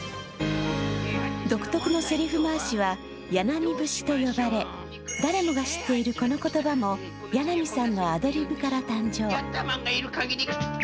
独特のせりふまわしは八奈見節と言われ誰もが知っているこの言葉も八奈見さんのアドリブから誕生。